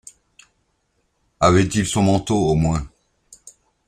avait-il son manteau au moins